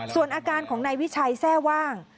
ส่วนอาการของนายวิชัยแทร่ว่าง